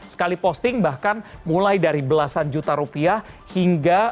sekali posting bahkan mulai dari belasan juta rupiah hingga